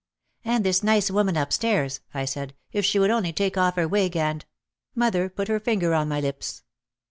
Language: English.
"And this nice woman upstairs," I said "if she would only take off her wig and ." Mother put her finger on my lips.